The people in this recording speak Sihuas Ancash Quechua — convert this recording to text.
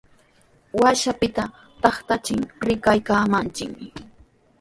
Washapita taytanchik rikaraaykaamanchikmi.